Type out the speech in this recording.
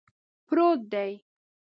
پروت دی